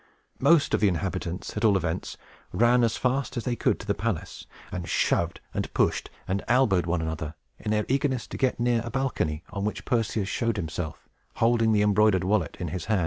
Most of the inhabitants, at all events, ran as fast as they could to the palace, and shoved, and pushed, and elbowed one another, in their eagerness to get near a balcony, on which Perseus showed himself, holding the embroidered wallet in his hand.